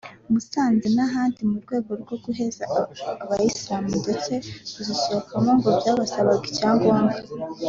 Musanze n’ahandi mu rwego rwo guheza Abayisilamu ndetse kuzisohokamo ngo byabasabaga icyangombwa